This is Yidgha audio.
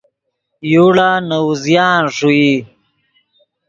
یوڑا نے اوزیان ݰوئی